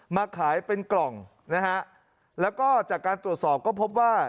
มาขายเป็นกล่องนะฮะแล้วก็จากการตรวจสอบก็พบว่า